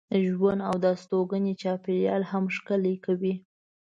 ژوند او د استوګنې چاپېریال هم ښکلی کوي.